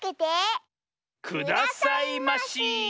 くださいまし。